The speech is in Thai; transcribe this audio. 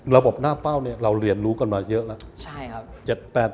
ระบบหน้าเป้าเนี่ยเราเรียนรู้กันมาเยอะแล้ว